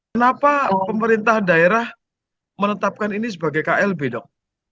kenapa pemerintah daerah menetapkan ini sebagai klb dok